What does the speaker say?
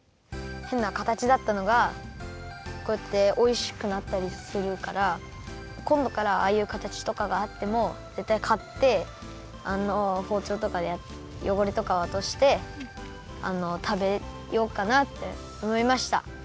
変な形だったのがこうやっておいしくなったりするからこんどからはああいう形とかがあってもぜったいかってあのほうちょうとかでよごれとかをおとしてたべようかなっておもいました。